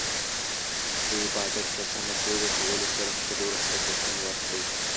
د عبادت په سمه توګه کولو سره خپل روح ته سکون ورکړئ.